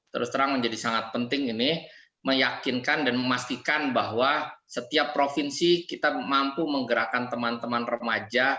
terus terang menjadi sangat penting ini meyakinkan dan memastikan bahwa setiap provinsi kita mampu menggerakkan teman teman remaja